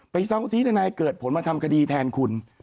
เศร้าซีทนายเกิดผลมาทำคดีแทนคุณ